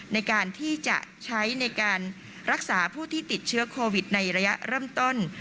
ในการที่จะใช้ในการรักษาผู้ที่ติดเชื้อโควิดในระยะเริ่มต้น